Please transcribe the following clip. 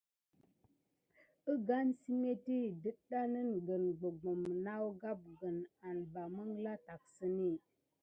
Əgane səmétti dətɗaŋgəne gɓugɓum nawgapgəne ane va məŋɠla tacksəne.